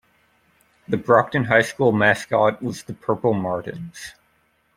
The Brocton High School mascot was the "Purple Martins".